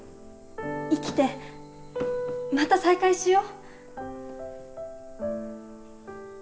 生きてまた再会しよう。